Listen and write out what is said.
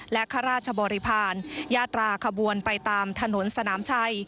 และข้าราชบริพาณญาตราขบวนไปตามถนนสนามชัย